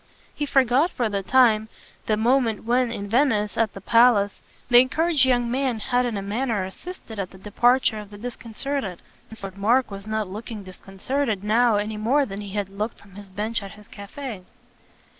He forgot for the time the moment when, in Venice, at the palace, the encouraged young man had in a manner assisted at the departure of the disconcerted, since Lord Mark was not looking disconcerted now any more than he had looked from his bench at his cafe.